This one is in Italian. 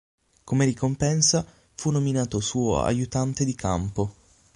Come ricompensa fu nominato suo "aiutante di campo".